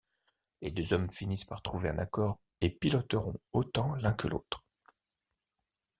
Les deux hommes finissent par trouver un accord et piloteront autant l'un que l'autre.